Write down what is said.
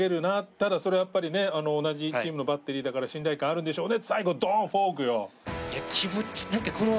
ただそれはやっぱりね同じチームのバッテリーだから信頼感あるんでしょうね。